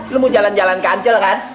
lo mau jalan jalan kancil kan